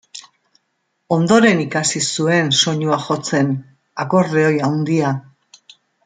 Ondoren ikasi zuen soinua jotzen, akordeoi handia.